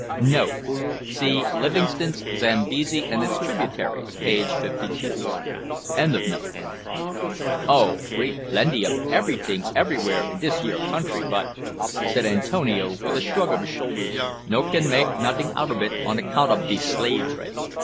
[See Livingstone's Zambesi and its Tributaries, page 52.] Oh! great plenty ob eberyting eberywhere in dis yere country, but," said Antonio, with a shrug of his shoulders, "no can make noting out ob it on account ob de slave trade."